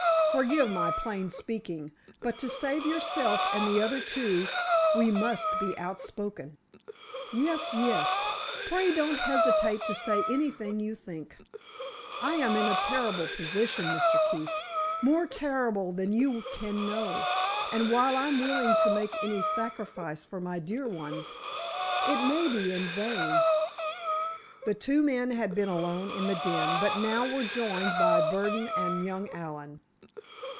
Forgive my plain speaking, but to save yourself and the other two, we must be outspoken." "Yes, yes—pray don't hesitate to say anything you think. I am in a terrible position, Mr. Keefe—more terrible than you can know, and while I am willing to make any sacrifice for my dear ones—it may be in vain——" The two men had been alone in the den, but now were joined by Burdon and young Allen.